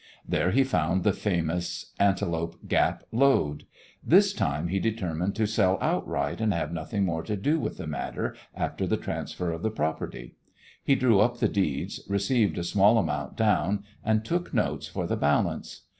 There he found the famous Antelope Gap lode. This time he determined to sell outright and have nothing more to do with the matter after the transfer of the property. He drew up the deeds, received a small amount down, and took notes for the balance.